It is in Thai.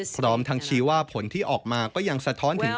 พร้อมทั้งชี้ว่าผลที่ออกมาก็ยังสะท้อนถึง